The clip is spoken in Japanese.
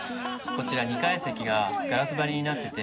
こちら２階席がガラス張りになってて